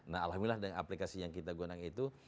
nah alhamdulillah dengan aplikasi yang kita gunakan itu